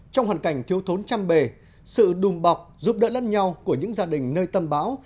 trong hoàn cảnh thiếu thốn trăm bề sự đùm bọc giúp đỡ lẫn nhau của những gia đình nơi tâm bão